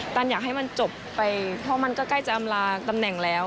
ตันอยากให้มันจบไปเพราะมันก็ใกล้จะอำลาตำแหน่งแล้ว